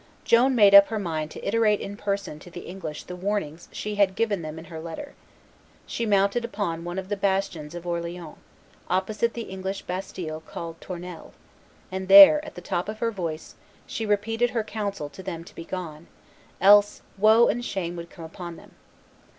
Joan made up her mind to iterate in person to the English the warnings she had given them in her letter. She mounted upon one of the bastions of Orleans, opposite the English bastille called Tournelles, and there, at the top of her voice, she repeated her counsel to them to be gone; else, woe and shame would come upon them.